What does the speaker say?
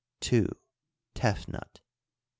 Tefnut; 3.